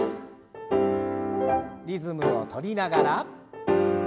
リズムを取りながら。